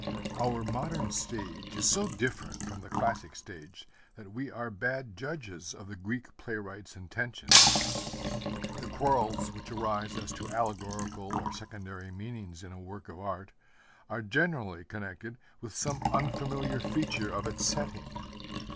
Our modern stage is so different from the classic stage that we are bad judges of the Greek playwright's intentions. The quarrels which arise as to allegorical or secondary meanings in a work of art are generally connected with some unfamiliar feature of its setting.